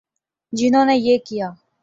جنہوں نے یہ کیا۔